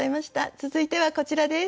続いてはこちらです。